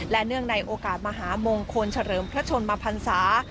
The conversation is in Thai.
และเนื่องในโอกาสมหามงคลเฉลิมพระชนมพันศา